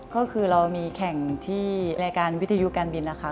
ก็คือเรามีแข่งที่รายการวิทยุการบินนะคะ